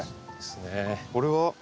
これは？